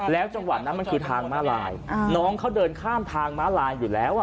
จังหวะนั้นมันคือทางมาลายน้องเขาเดินข้ามทางม้าลายอยู่แล้วอ่ะ